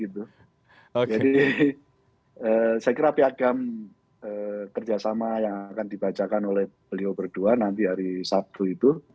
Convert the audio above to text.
jadi saya kira piagam kerjasama yang akan dibacakan oleh beliau berdua nanti hari sabtu itu